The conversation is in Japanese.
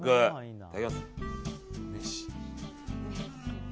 いただきます。